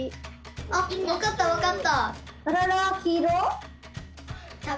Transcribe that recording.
あっわかったわかった。